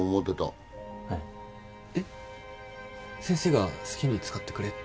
先生が好きに使ってくれって。